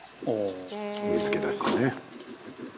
「水気出してね」